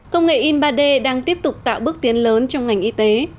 công nghệ in ba d đang tiếp tục tạo bước tiến lớn trong ngành y tế